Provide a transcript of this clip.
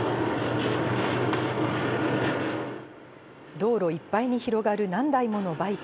道路いっぱいに広がる何台ものバイク。